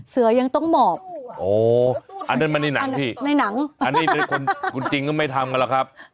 เสือยังต้องหมอบอ๋ออันนั้นมันในหนังพี่ในหนังอันนี้คุณจริงก็ไม่ทำกันหรอกครับ